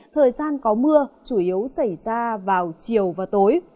thời gian có mưa chủ yếu xảy ra vào chiều và tối